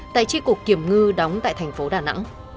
tại tri cục kiểm ngư đóng tại thành phố đà nẵng